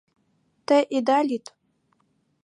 Те ида лӱд.